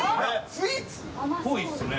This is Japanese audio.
スイーツ？っぽいっすね。